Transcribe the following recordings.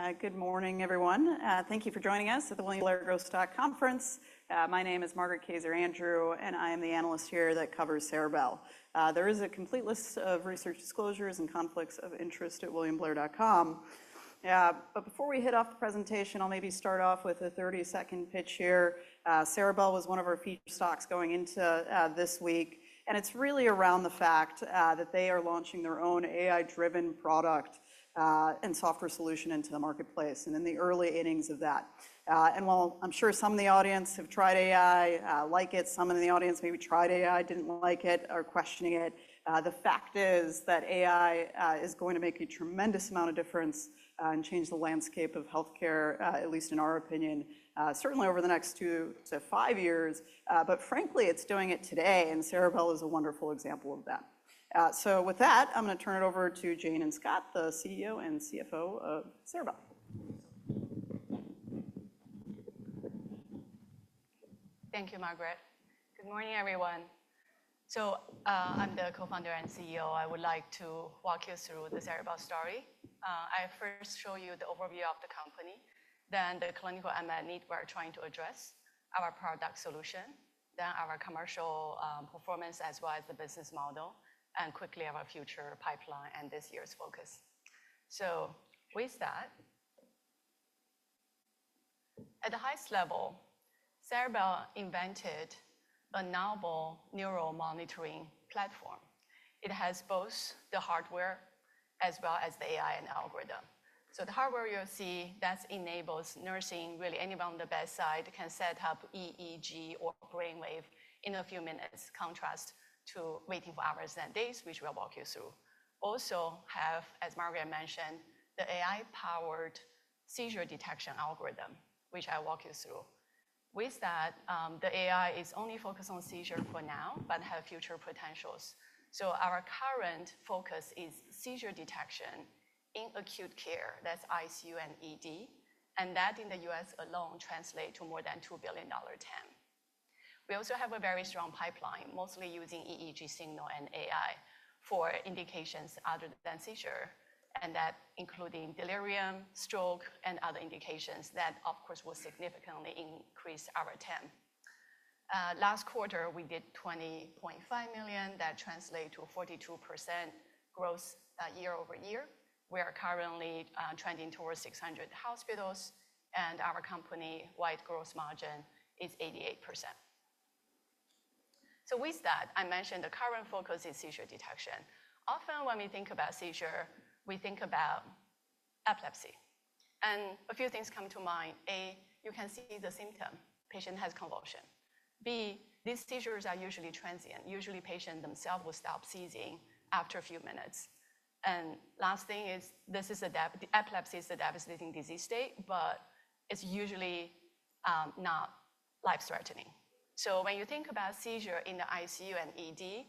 All right. Good morning, everyone. Thank you for joining us at the William Blair conference. My name is Margaret Kazer Andrew, and I am the analyst here that covers Ceribell. There is a complete list of research disclosures and conflicts of interest at williamblair.com. Before we hit off the presentation, I'll maybe start off with a 30-second pitch here. Ceribell was one of our feature stocks going into this week, and it's really around the fact that they are launching their own AI-driven product and software solution into the marketplace and in the early innings of that. While I'm sure some of the audience have tried AI, like it, some of the audience maybe tried AI, didn't like it, are questioning it, the fact is that AI is going to make a tremendous amount of difference and change the landscape of healthcare, at least in our opinion, certainly over the next two to five years. Frankly, it's doing it today, and Ceribell is a wonderful example of that. With that, I'm going to turn it over to Jane and Scott, the CEO and CFO of Ceribell. Thank you, Margaret. Good morning, everyone. So I'm the Co-founder and CEO. I would like to walk you through the Ceribell story. I first show you the overview of the company, then the clinical unmet need we're trying to address, our product solution, then our commercial performance as well as the business model, and quickly our future pipeline and this year's focus. With that, at the highest level, Ceribell invented a novel neural monitoring platform. It has both the hardware as well as the AI and algorithm. The hardware you'll see enables nursing, really anyone on the bedside can set up EEG or brainwave in a few minutes, in contrast to waiting for hours and days, which we'll walk you through. Also have, as Margaret mentioned, the AI-powered seizure detection algorithm, which I'll walk you through. With that, the AI is only focused on seizure for now, but have future potentials. Our current focus is seizure detection in acute care, that's ICU and ED, and that in the U.S. alone translates to more than $2 billion TAM. We also have a very strong pipeline, mostly using EEG signal and AI for indications other than seizure, and that including delirium, stroke, and other indications that, of course, will significantly increase our TAM. Last quarter, we did $20.5 million. That translates to a 42% growth year over year. We are currently trending towards 600 hospitals, and our company-wide gross margin is 88%. I mentioned the current focus is seizure detection. Often when we think about seizure, we think about epilepsy. A few things come to mind. A, you can see the symptom. Patient has convulsion. B, these seizures are usually transient. Usually, patients themselves will stop seizing after a few minutes. Last thing is this is a epilepsy is a devastating disease state, but it's usually not life-threatening. When you think about seizure in the ICU and ED,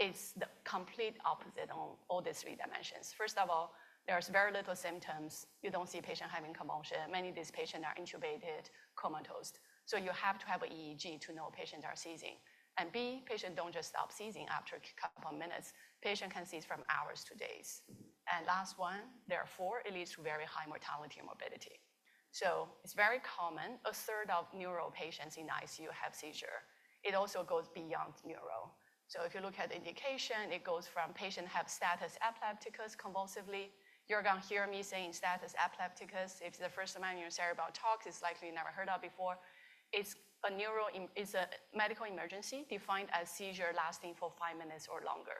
it's the complete opposite on all the three dimensions. First of all, there are very little symptoms. You don't see patients having convulsion. Many of these patients are intubated, comatose. You have to have an EEG to know patients are seizing. B, patients don't just stop seizing after a couple of minutes. Patients can seize from hours to days. Last one, therefore, it leads to very high mortality and morbidity. It's very common. A third of neuro patients in ICU have seizure. It also goes beyond neuro. If you look at the indication, it goes from patients have status epilepticus convulsively. You're going to hear me saying status epilepticus. If it's the first time I'm hearing Ceribell talk, it's likely you never heard of it before. It's a medical emergency defined as seizure lasting for five minutes or longer.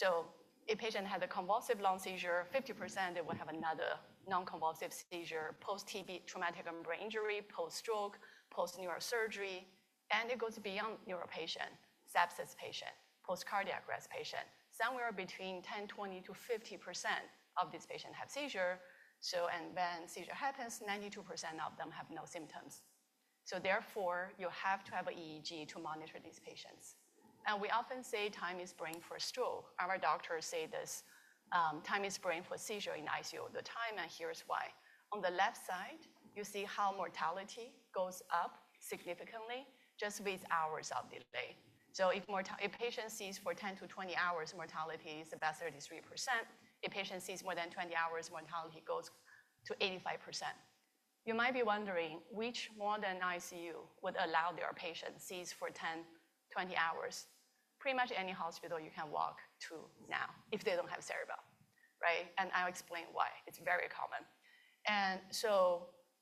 If a patient had a convulsive long seizure, 50%, they will have another non-convulsive seizure, post-TBI, traumatic brain injury, post-stroke, post-neurosurgery. It goes beyond neuro patient, sepsis patient, post-cardiac arrest patient. Somewhere between 10%-20%-50% of these patients have seizure. When seizure happens, 92% of them have no symptoms. Therefore, you have to have an EEG to monitor these patients. We often say time is brain for stroke. Our doctors say this, time is brain for seizure in ICU. The time, and here's why. On the left side, you see how mortality goes up significantly just with hours of delay. If a patient seizes for 10 hours-20 hours, mortality is about 33%. If a patient seizes more than 20 hours, mortality goes to 85%. You might be wondering which modern ICU would allow their patients to seize for 10 hours-20 hours. Pretty much any hospital you can walk to now if they do not have Ceribell, right? I will explain why. It is very common.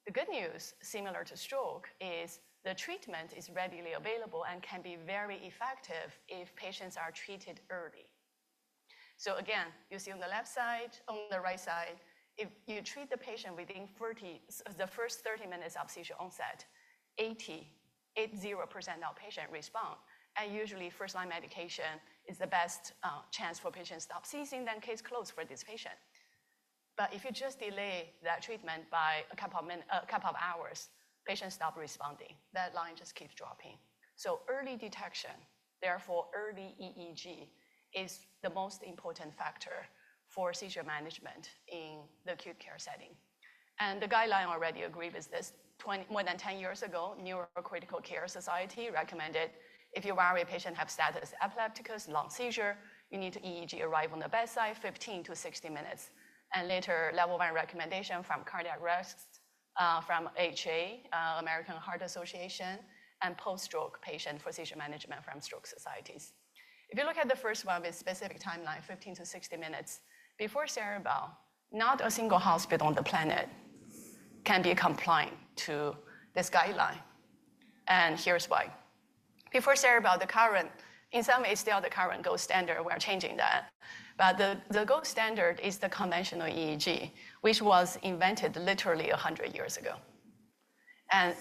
The good news, similar to stroke, is the treatment is readily available and can be very effective if patients are treated early. Again, you see on the left side, on the right side, if you treat the patient within the first 30 minutes of seizure onset, 80% of patients respond. Usually, first-line medication is the best chance for patients to stop seizing, then case closed for this patient. If you just delay that treatment by a couple of hours, patients stop responding. That line just keeps dropping. Early detection, therefore early EEG, is the most important factor for seizure management in the acute care setting. The guideline already agreed with this. More than 10 years ago, Neuro Critical Care Society recommended if you worry a patient has status epilepticus, long seizure, you need to EEG arrive on the bedside 15 minutes-60 minutes. Later, level one recommendation from cardiac arrest from AHA, American Heart Association, and post-stroke patient for seizure management from stroke societies. If you look at the first one with specific timeline, 15 minutes-60 minutes, before Ceribell, not a single hospital on the planet can be compliant to this guideline. Here's why. Before Ceribell, the current, in some ways, still the current gold standard, we are changing that. The gold standard is the conventional EEG, which was invented literally 100 years ago.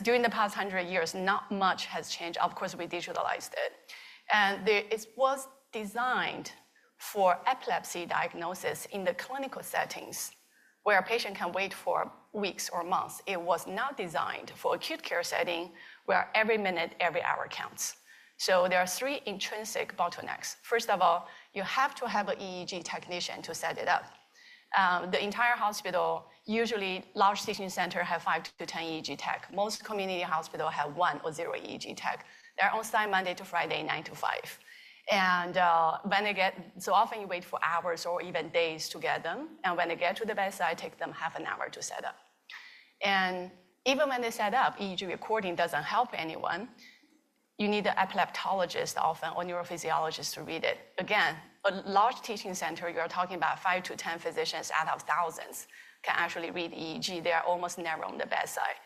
During the past 100 years, not much has changed. Of course, we digitalized it. It was designed for epilepsy diagnosis in the clinical settings where a patient can wait for weeks or months. It was not designed for acute care setting where every minute, every hour counts. There are three intrinsic bottlenecks. First of all, you have to have an EEG technician to set it up. The entire hospital, usually large seizure center, has 5-10 EEG tech. Most community hospitals have 1 or 0 EEG tech. They're on site Monday to Friday, 9:00 A.M. to 5:00 P.M. Often you wait for hours or even days to get them. When they get to the bedside, it takes them half an hour to set up. Even when they set up, EEG recording does not help anyone. You need an epileptologist often or neurophysiologist to read it. Again, a large teaching center, you are talking about 5-10 physicians out of thousands can actually read EEG. They are almost never at the bedside.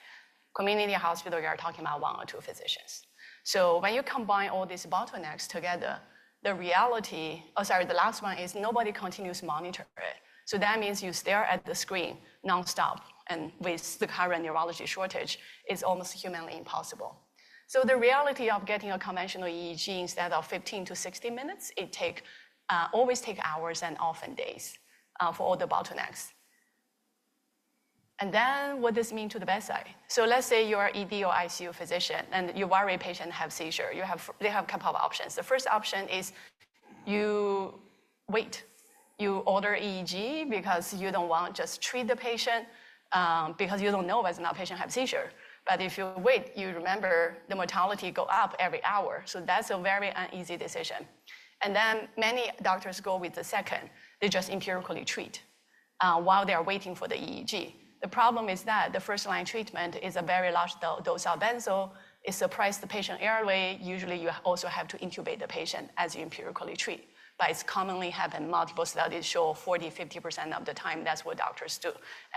Community hospital, you are talking about one or two physicians. When you combine all these bottlenecks together, the reality, oh, sorry, the last one is nobody continues to monitor it. That means you stare at the screen nonstop. With the current neurology shortage, it is almost humanly impossible. The reality of getting a conventional EEG instead of 15 minutes-60 minutes, it always takes hours and often days for all the bottlenecks. What does this mean to the bedside? Let's say you are an ED or ICU physician, and you worry a patient has seizure. They have a couple of options. The first option is you wait. You order EEG because you do not want to just treat the patient because you do not know whether or not the patient has seizure. If you wait, you remember the mortality goes up every hour. That is a very uneasy decision. Many doctors go with the second. They just empirically treat while they are waiting for the EEG. The problem is that the first-line treatment is a very large dose of benzo. It suppresses the patient airway. Usually, you also have to intubate the patient as you empirically treat. It is commonly happened. Multiple studies show 40%-50% of the time that is what doctors do.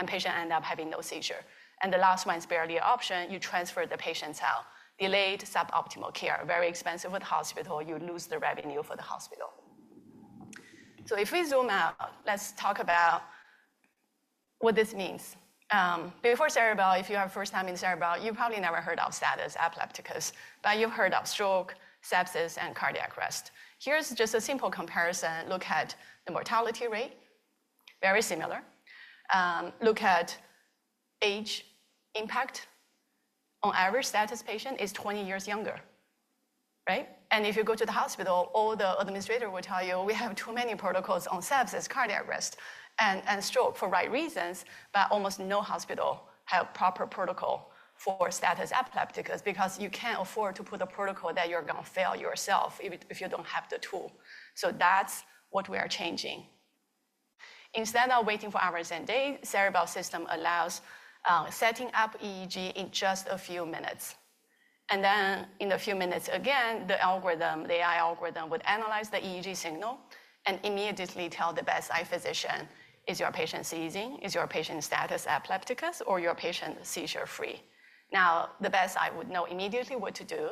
Patients end up having no seizure. The last one is barely an option. You transfer the patient out. Delayed suboptimal care. Very expensive for the hospital. You lose the revenue for the hospital. If we zoom out, let's talk about what this means. Before Ceribell, if you are first time in Ceribell, you've probably never heard of status epilepticus. You've heard of stroke, sepsis, and cardiac arrest. Here's just a simple comparison. Look at the mortality rate. Very similar. Look at age impact. On average, status patient is 20 years younger, right? If you go to the hospital, all the administrators will tell you, we have too many protocols on sepsis, cardiac arrest, and stroke for right reasons. Almost no hospital has a proper protocol for status epilepticus because you can't afford to put a protocol that you're going to fail yourself if you don't have the tool. That's what we are changing. Instead of waiting for hours and days, Ceribell system allows setting up EEG in just a few minutes. In a few minutes, again, the algorithm, the AI algorithm would analyze the EEG signal and immediately tell the bedside physician, is your patient seizing? Is your patient status epilepticus or your patient seizure-free? Now, the bedside would know immediately what to do.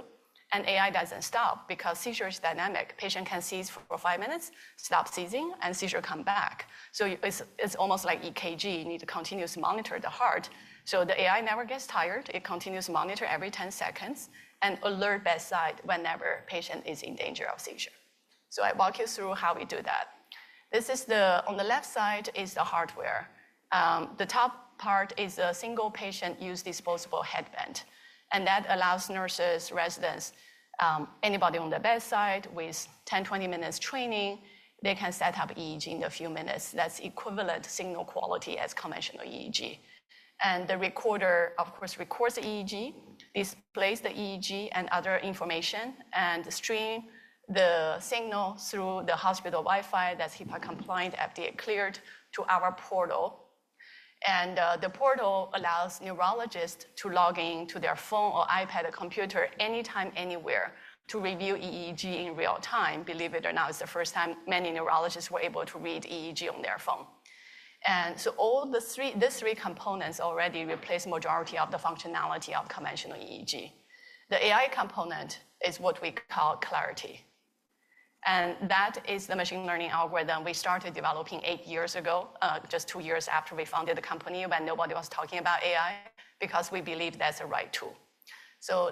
AI doesn't stop because seizure is dynamic. Patient can seize for five minutes, stop seizing, and seizure come back. It's almost like EKG. You need to continuously monitor the heart. The AI never gets tired. It continues to monitor every 10 seconds and alert bedside whenever a patient is in danger of seizure. I walk you through how we do that. On the left side is the hardware. The top part is a single patient use disposable headband. That allows nurses, residents, anybody on the bedside with 10 minutes-20 minutes training, they can set up EEG in a few minutes. That is equivalent signal quality as conventional EEG. The recorder, of course, records the EEG, displays the EEG and other information, and streams the signal through the hospital Wi-Fi that is HIPAA compliant, FDA cleared, to our portal. The portal allows neurologists to log in to their phone or iPad or computer anytime, anywhere to review EEG in real time. Believe it or not, it is the first time many neurologists were able to read EEG on their phone. All these three components already replace the majority of the functionality of conventional EEG. The AI component is what we call Clarity. That is the machine learning algorithm we started developing eight years ago, just two years after we founded the company when nobody was talking about AI because we believed that's the right tool.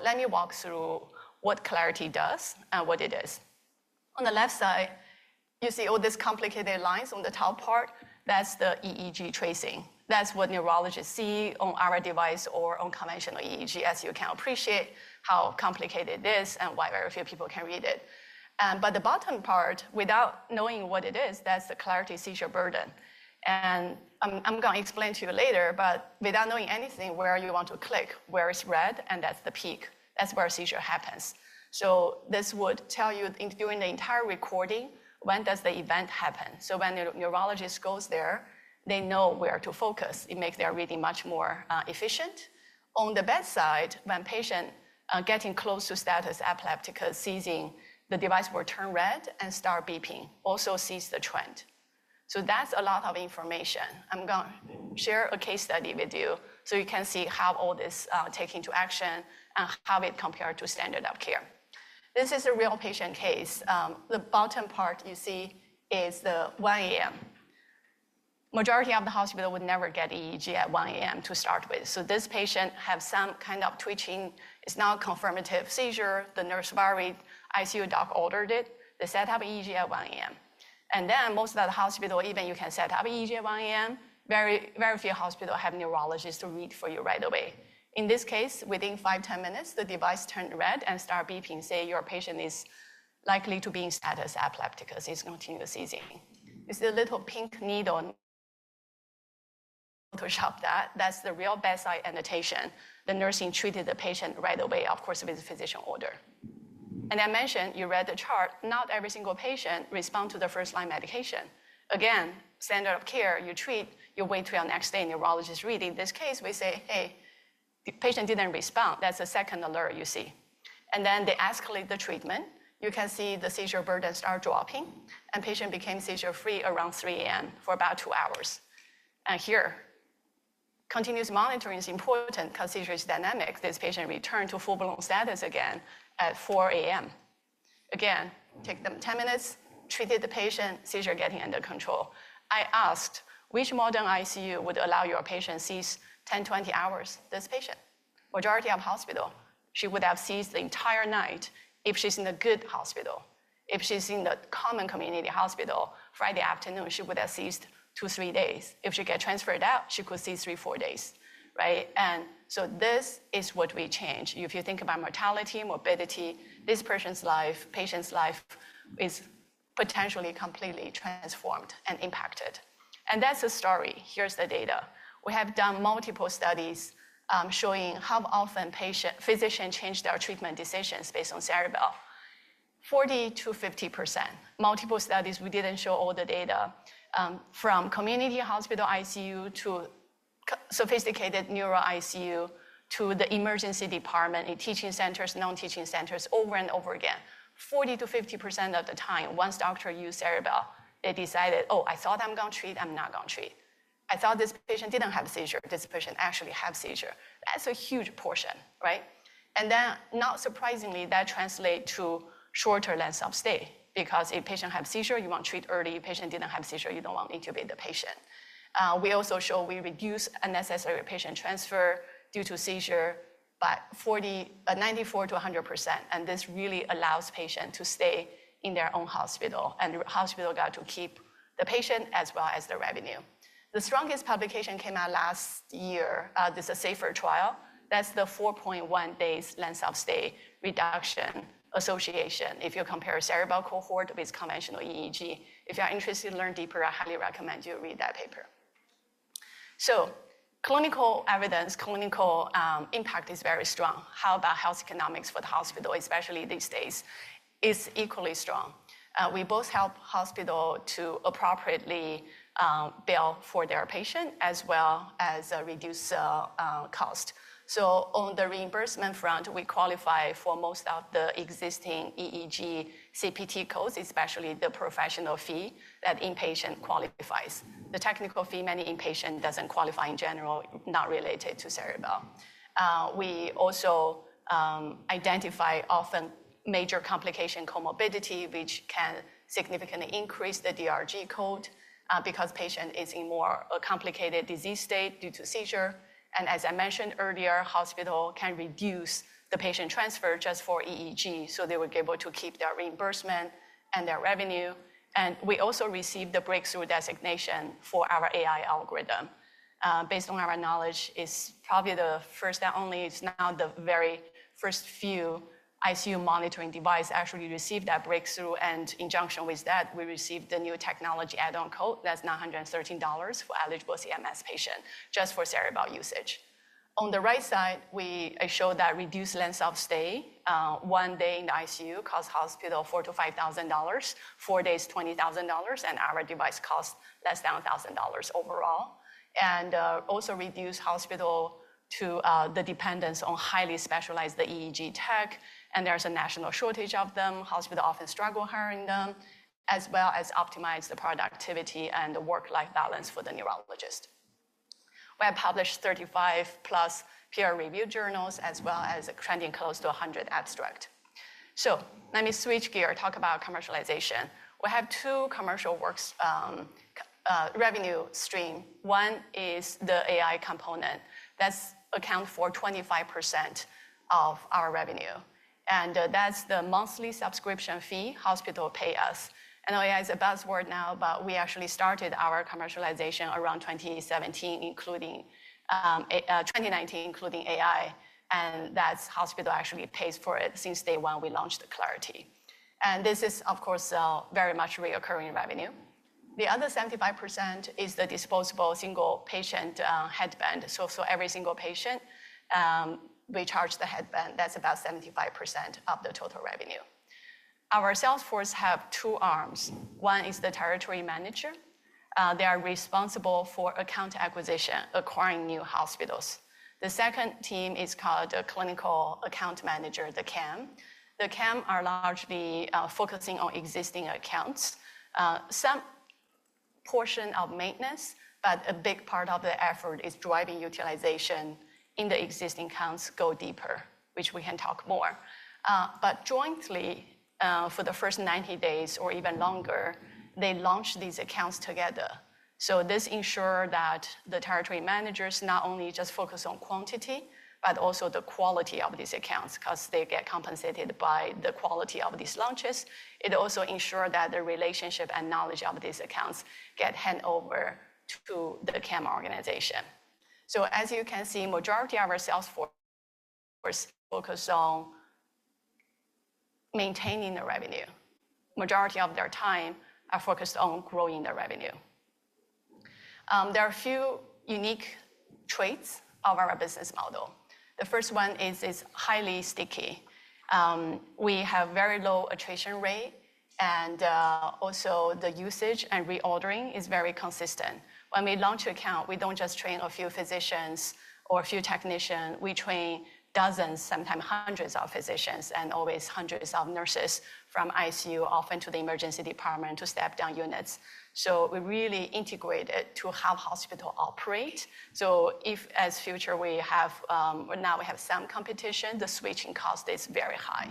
Let me walk through what Clarity does and what it is. On the left side, you see all these complicated lines on the top part. That's the EEG tracing. That's what neurologists see on our device or on conventional EEG as you can appreciate how complicated it is and why very few people can read it. The bottom part, without knowing what it is, that's the Clarity seizure burden. I'm going to explain to you later, but without knowing anything, where you want to click, where it's red, and that's the peak. That's where seizure happens. This would tell you during the entire recording, when does the event happen? When the neurologist goes there, they know where to focus. It makes their reading much more efficient. On the bedside, when a patient is getting close to status epilepticus, seizing, the device will turn red and start beeping, also sees the trend. That is a lot of information. I'm going to share a case study with you so you can see how all this takes into action and how it compares to standard of care. This is a real patient case. The bottom part you see is the 1:00 A.M. Majority of the hospital would never get EEG at 1:00 A.M. to start with. This patient has some kind of twitching. It's not a confirmative seizure. The nurse worried. ICU doc ordered it. They set up EEG at 1:00 A.M. In most of the hospitals, even you can set up EEG at 1:00 A.M. Very few hospitals have neurologists to read for you right away. In this case, within 5, 10 minutes, the device turned red and started beeping, saying your patient is likely to be in status epilepticus. It's continuous seizing. You see a little pink needle on Ceribell that. That's the real bedside annotation. The nursing treated the patient right away, of course, with the physician order. I mentioned you read the chart. Not every single patient responds to the first-line medication. Again, standard of care, you treat, you wait till the next day. Neurologist reading. In this case, we say, hey, the patient didn't respond. That's the second alert you see. They escalate the treatment. You can see the seizure burden starts dropping. Patient became seizure-free around 3:00 A.M. for about two hours. Here, continuous monitoring is important because seizure is dynamic. This patient returned to full-blown status again at 4:00 A.M. Again, take them 10 minutes, treated the patient, seizure getting under control. I asked, which modern ICU would allow your patient to seize 10-20 hours? This patient, majority of hospital, she would have seized the entire night if she's in a good hospital. If she's in a common community hospital, Friday afternoon, she would have seized two-three days. If she gets transferred out, she could seize three-four days, right? This is what we change. If you think about mortality, morbidity, this person's life, patient's life is potentially completely transformed and impacted. That's the story. Here's the data. We have done multiple studies showing how often physicians change their treatment decisions based on Ceribell. 40%-50%. Multiple studies. We didn't show all the data from community hospital ICU to sophisticated neuro ICU to the emergency department in teaching centers, non-teaching centers over and over again. 40%-50% of the time, once doctor used Ceribell, they decided, oh, I thought I'm going to treat. I'm not going to treat. I thought this patient didn't have seizure. This patient actually has seizure. That's a huge portion, right? Not surprisingly, that translates to shorter lengths of stay because if a patient has seizure, you want to treat early. If a patient didn't have seizure, you don't want to intubate the patient. We also show we reduce unnecessary patient transfer due to seizure by 94%-100%. This really allows patients to stay in their own hospital. The hospital got to keep the patient as well as the revenue. The strongest publication came out last year. This is a SAFER trial. That's the 4.1 days length of stay reduction association. If you compare Ceribell cohort with conventional EEG, if you're interested to learn deeper, I highly recommend you read that paper. Clinical evidence, clinical impact is very strong. How about health economics for the hospital, especially these days? It's equally strong. We both help hospitals to appropriately bill for their patient as well as reduce cost. On the reimbursement front, we qualify for most of the existing EEG CPT codes, especially the professional fee that inpatient qualifies. The technical fee, many inpatient doesn't qualify in general, not related to Ceribell. We also identify often major complication comorbidity, which can significantly increase the DRG code because the patient is in a more complicated disease state due to seizure. As I mentioned earlier, hospitals can reduce the patient transfer just for EEG so they will be able to keep their reimbursement and their revenue. We also received the breakthrough designation for our AI algorithm. Based on our knowledge, it's probably the first and only. It's now the very first few ICU monitoring devices actually received that breakthrough. In conjunction with that, we received the new technology add-on code. That's $913 for eligible CMS patients just for Ceribell usage. On the right side, I show that reduced length of stay, one day in the ICU costs hospital $4,000-$5,000, four days $20,000, and our device costs less than $1,000 overall. Also reduced hospital dependence on highly specialized EEG tech. There is a national shortage of them. Hospitals often struggle hiring them, as well as optimize the productivity and the work-life balance for the neurologist. We have published 35-plus peer-reviewed journals as well as trending close to 100 abstracts. Let me switch gear and talk about commercialization. We have two commercial revenue streams. One is the AI component. That accounts for 25% of our revenue. That is the monthly subscription fee hospitals pay us. I know AI is a buzzword now, but we actually started our commercialization around 2019, including AI. That is, hospitals actually pay for it since day one we launched Clarity. This is, of course, very much recurring revenue. The other 75% is the disposable single patient headband. For every single patient, we charge the headband. That is about 75% of the total revenue. Our sales force has two arms. One is the territory manager. They are responsible for account acquisition, acquiring new hospitals. The second team is called the clinical account manager, the CAM. The CAM are largely focusing on existing accounts, some portion of maintenance, but a big part of the effort is driving utilization in the existing accounts go deeper, which we can talk more. Jointly, for the first 90 days or even longer, they launch these accounts together. This ensures that the territory managers not only just focus on quantity, but also the quality of these accounts because they get compensated by the quality of these launches. It also ensures that the relationship and knowledge of these accounts get handed over to the CAM organization. As you can see, the majority of our sales force focuses on maintaining the revenue. The majority of their time are focused on growing the revenue. There are a few unique traits of our business model. The first one is it's highly sticky. We have a very low attrition rate. Also, the usage and reordering is very consistent. When we launch an account, we do not just train a few physicians or a few technicians. We train dozens, sometimes hundreds of physicians and always hundreds of nurses from ICU, often to the emergency department to step down units. We really integrate it to how hospitals operate. If, as future, we have now, we have some competition, the switching cost is very high.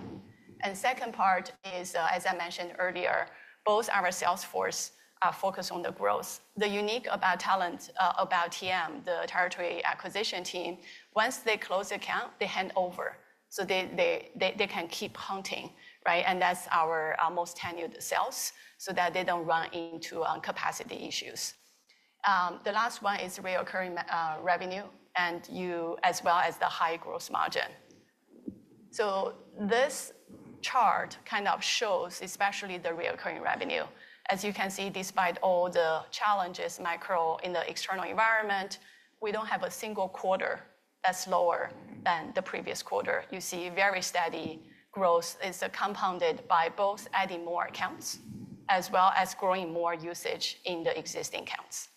The second part is, as I mentioned earlier, both our sales forces are focused on the growth. The unique about TAM, the territory acquisition team, once they close the account, they hand over. They can keep hunting, right? That is our most tenured sales so that they do not run into capacity issues. The last one is reoccurring revenue, as well as the high gross margin. This chart kind of shows, especially the recurring revenue. As you can see, despite all the challenges, micro in the external environment, we do not have a single quarter that is lower than the previous quarter. You see very steady growth. It is compounded by both adding more accounts as well as growing more usage in the existing accounts.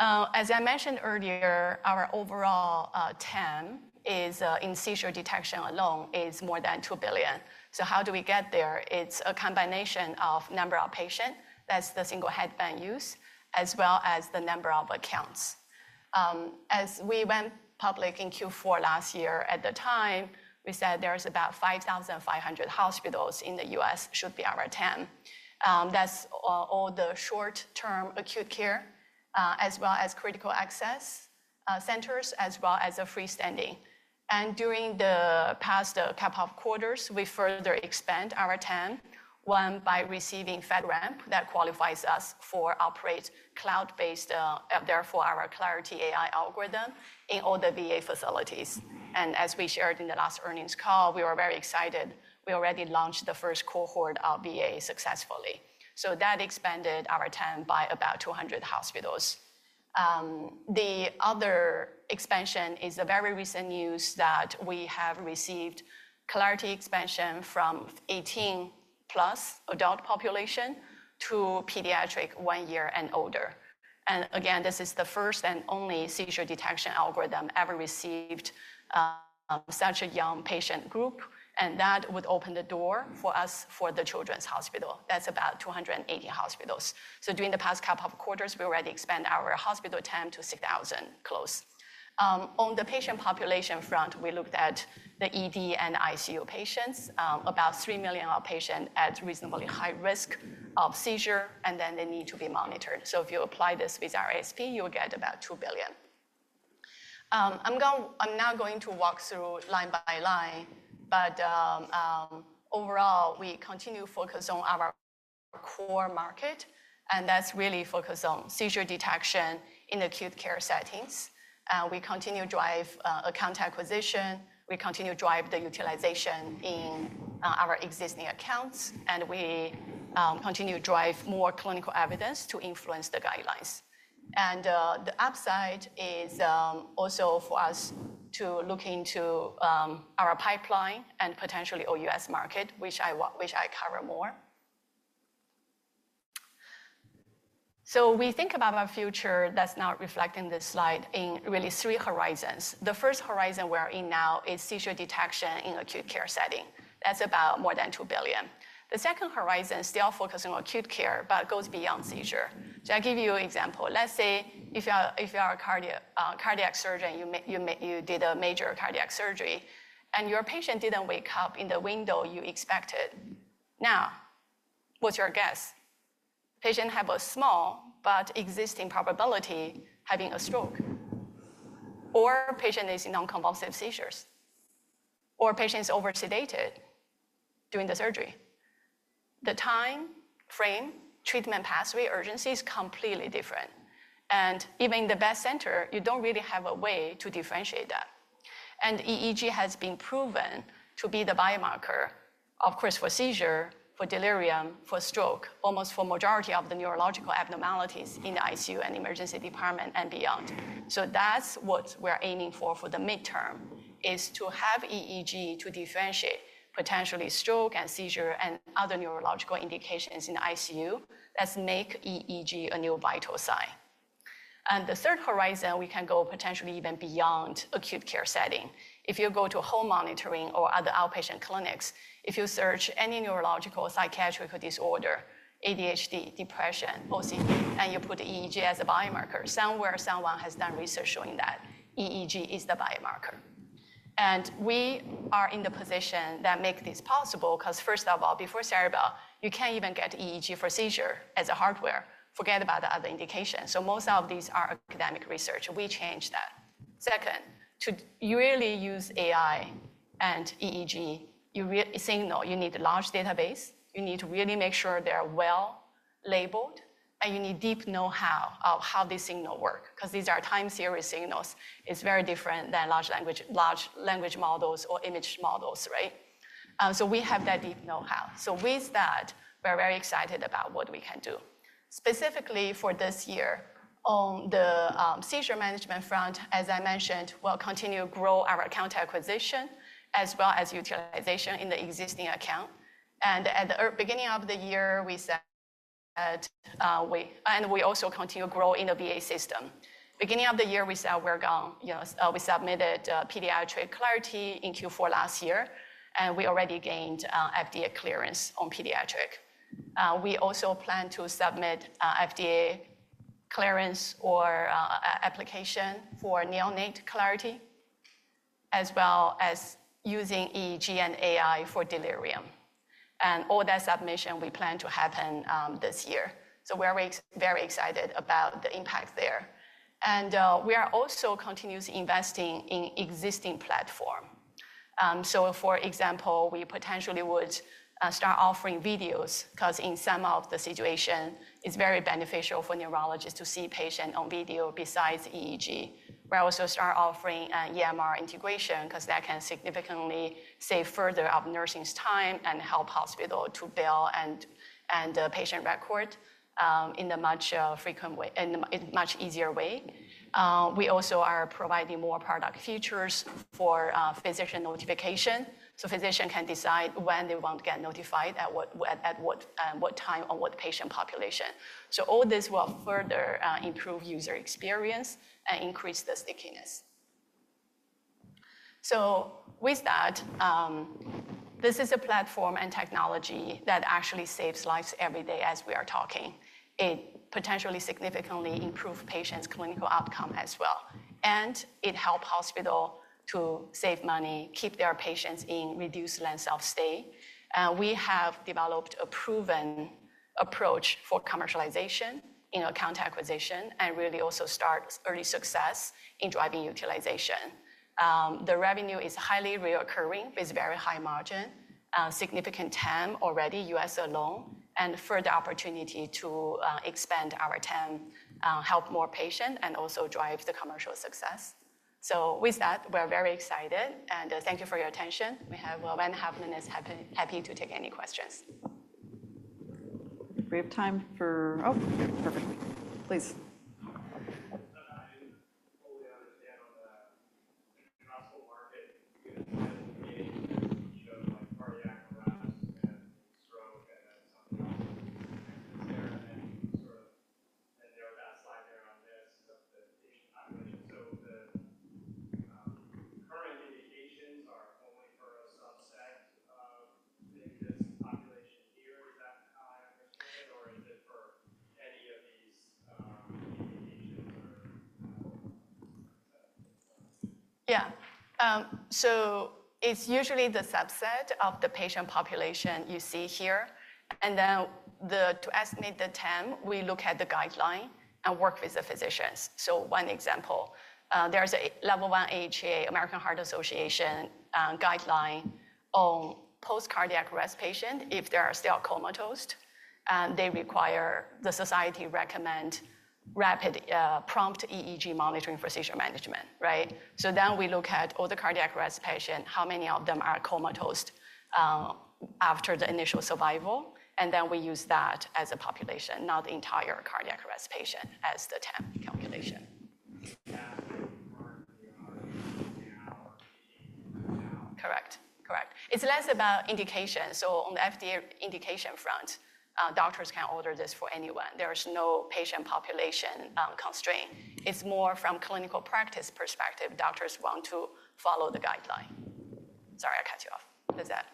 As I mentioned earlier, our overall TAM in seizure detection alone is more than $2 billion. How do we get there? It is a combination of the number of patients, that is the single headband use, as well as the number of accounts. As we went public in Q4 last year, at the time, we said there are about 5,500 hospitals in the U.S. that should be our TAM. That is all the short-term acute care, as well as critical access centers, as well as the freestanding. During the past couple of quarters, we further expanded our TAM, one by receiving FedRAMP that qualifies us to operate cloud-based, therefore, our Clarity AI algorithm in all the VA facilities. As we shared in the last earnings call, we were very excited. We already launched the first cohort of VA successfully. That expanded our TAM by about 200 hospitals. The other expansion is very recent news that we have received Clarity expansion from 18 FedRAMP adult population to pediatric one year and older. Again, this is the first and only seizure detection algorithm ever received from such a young patient group. That would open the door for us for the Children's Hospital. That's about 280 hospitals. During the past couple of quarters, we already expanded our hospital TAM to close to 6,000. On the patient population front, we looked at the ED and ICU patients, about 3 million of patients at reasonably high risk of seizure, and then they need to be monitored. If you apply this with RSP, you'll get about $2 billion. I'm not going to walk through line by line. Overall, we continue to focus on our core market. That's really focused on seizure detection in acute care settings. We continue to drive account acquisition. We continue to drive the utilization in our existing accounts. We continue to drive more clinical evidence to influence the guidelines. The upside is also for us to look into our pipeline and potentially OUS market, which I cover more. We think about our future that's now reflected in this slide in really three horizons. The first horizon we are in now is seizure detection in acute care setting. That's about more than $2 billion. The second horizon is still focusing on acute care, but it goes beyond seizure. I'll give you an example. Let's say if you are a cardiac surgeon, you did a major cardiac surgery, and your patient didn't wake up in the window you expected. Now, what's your guess? Patient has a small but existing probability of having a stroke. Or patient is in non-convulsive seizures. Or patient is over-sedated during the surgery. The timeframe, treatment pathway, urgency is completely different. Even in the best center, you don't really have a way to differentiate that. EEG has been proven to be the biomarker, of course, for seizure, for delirium, for stroke, almost for the majority of the neurological abnormalities in the ICU and emergency department and beyond. That's what we're aiming for for the midterm, is to have EEG to differentiate potentially stroke and seizure and other neurological indications in the ICU that make EEG a new vital sign. The third horizon, we can go potentially even beyond acute care setting. If you go to home monitoring or other outpatient clinics, if you search any neurological psychiatric disorder, ADHD, depression, OCD, and you put EEG as a biomarker, somewhere someone has done research showing that EEG is the biomarker. We are in the position that makes this possible because, first of all, before Ceribell, you can't even get EEG for seizure as hardware. Forget about the other indications. Most of these are academic research. We changed that. Second, to really use AI and EEG, you need a large database. You need to really make sure they're well labeled. You need deep know-how of how these signals work because these are time-series signals. It is very different than large language models or image models, right? We have that deep know-how. With that, we are very excited about what we can do. Specifically for this year, on the seizure management front, as I mentioned, we will continue to grow our account acquisition as well as utilization in the existing account. At the beginning of the year, we said we also continue to grow in the VA system. Beginning of the year, we said we are going, we submitted pediatric Clarity in Q4 last year. We already gained FDA clearance on pediatric. We also plan to submit FDA clearance or application for neonate Clarity, as well as using EEG and AI for delirium. All that submission, we plan to happen this year. We're very excited about the impact there. We are also continuously investing in existing platforms. For example, we potentially would start offering videos because in some of the situations, it's very beneficial for neurologists to see patients on video besides EEG. We'll also start offering EMR integration because that can significantly save further nursing time and help hospitals to bill and the patient record in a much frequent way, in a much easier way. We also are providing more product features for physician notification so physicians can decide when they want to get notified, at what time, on what patient population. All this will further improve user experience and increase the stickiness. With that, this is a platform and technology that actually saves lives every day as we are talking. It potentially significantly improves patients' clinical outcome as well. It helps hospitals to save money, keep their patients in reduced length of stay. We have developed a proven approach for commercialization in account acquisition and really also start early success in driving utilization. The revenue is highly recurring with very high margin, significant TAM already U.S. alone, and further opportunity to expand our TAM, help more patients, and also drive the commercial success. We are very excited. Thank you for your attention. We are happy to take any questions We have time for, oh, perfect. Please. Yeah. So it's usually the subset of the patient population you see here. And then to estimate the TAM, we look at the guideline and work with the physicians. So one example, there is a level one AHA, American Heart Association guideline on post-cardiac arrest patients. If they are still comatose, they require, the society recommends rapid, prompt EEG monitoring for seizure management, right? So then we look at all the cardiac arrest patients, how many of them are comatose after the initial survival. And then we use that as a population, not the entire cardiac arrest patient as the TAM calculation. Correct. Correct. It's less about indication. So on the FDA indication front, doctors can order this for anyone. There is no patient population constraint. It's more from a clinical practice perspective. Doctors want to follow the guideline. Sorry, I cut you off. What is that?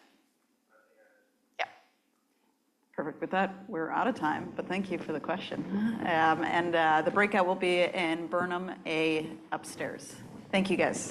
Yeah. Perfect. With that, we're out of time. Thank you for the question. The breakout will be in Burnham A upstairs. Thank you, guys.